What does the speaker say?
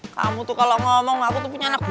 kamu tuh kalau ngomong aku tuh punya anak gue